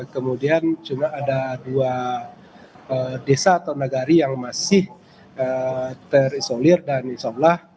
kemudian cuma ada dua desa atau negari yang masih terisolir dan insya allah